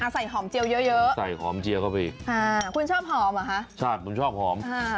ใส่หอมเจียวเยอะคุณชอบหอมเหรอคะใช่คุณชอบหอม